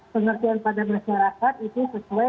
pengertian pada masyarakat itu sesuai